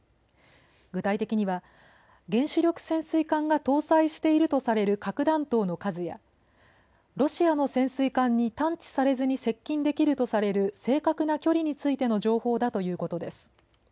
具体的には原子力潜水艦が搭載しているとされる核弾頭の数やロシアの潜水艦に探知されずに接近できるとされる正確な距離についての情報だということです。